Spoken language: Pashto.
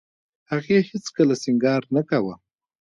هغې هېڅ کله سينګار نه کاوه.